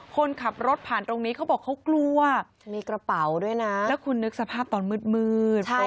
คนขับรถผ่านตรงนี้เขาบอกเขากลัวมีกระเป๋าด้วยนะแล้วคุณนึกสภาพตอนมืด